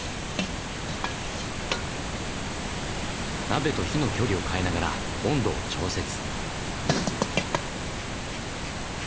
鍋と火の距離を変えながら温度を調節。